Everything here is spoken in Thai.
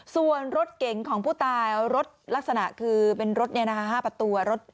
ส่วนรถเก๋งของผู้ตายรถลักษณะคือเป็นรถ๕ประตูรถ